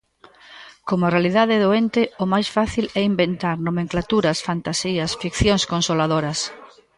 Como a realidade é doente, o máis fácil é inventar nomenclaturas, fantasías, ficcións consoladoras.